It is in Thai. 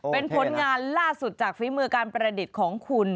เป็นผลงานล่าสุดจากฝีมือการประดิษฐ์ของคุณ